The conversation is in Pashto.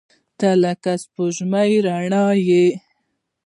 • ته لکه د سپوږمۍ رڼا یې.